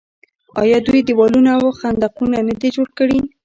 آیا دوی دیوالونه او خندقونه نه دي جوړ کړي؟